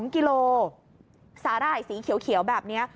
๒กิโลสาหร่ายสีเขียวแบบนี้